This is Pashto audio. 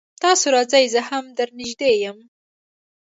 تاسو راځئ زه هم در نږدې يم